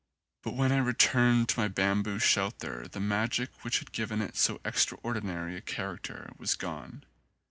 But when I returned to my bamboo shelter the magic which had given it so extraordi nary a character was gone.